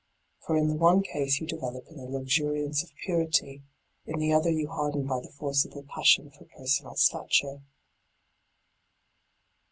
For in the one case you develop in the luxuriance of purity, in the other you harden by the forcible passion for personal stature.